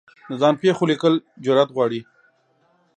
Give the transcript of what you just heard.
د ځان پېښو لیکل جرعت غواړي.